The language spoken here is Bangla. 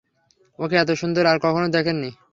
ওকে এত সুন্দর আর কখনো দেখে নি।